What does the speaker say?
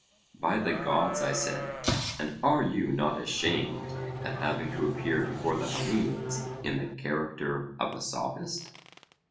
By the gods, I said, and are you not ashamed at having to appear before the Hellenes in the character of a Sophist?